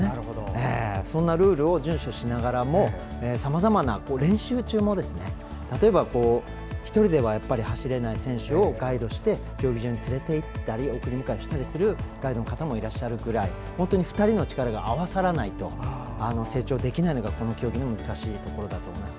そんなルールを順守しながらもさまざまな、練習中にも例えば、１人では走れない選手をガイドして競技場に連れて行ったり送り迎えするガイドの方もいらっしゃるぐらい２人の力が合わさらないと成長できないのがこの競技の難しいところだと思います。